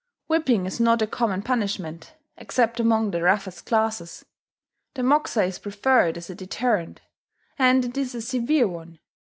Whipping is not a common punishment, except among the roughest classes; the moxa is preferred as a deterrent; and it is a severe one.